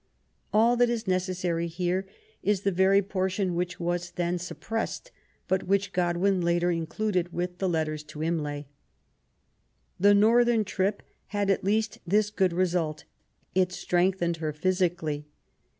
All that is necessary here is the very portion which was ihen suppressed, but which Godwin later included with ^^Jjetters to Imlay. The northern trip had at least this good result. It strengthened her physically.